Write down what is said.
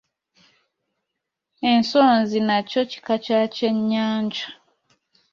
Ensonzi nakyo kika kya kyennyanja.